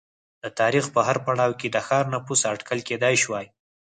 د تاریخ په هر پړاو کې د ښار نفوس اټکل کېدای شوای